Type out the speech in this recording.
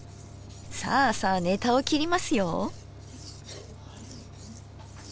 さあさあネタを切りますよ。